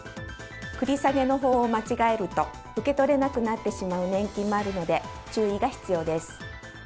繰り下げの方法を間違えると、受け取れなくなってしまう年金もあるので、注意が必要です。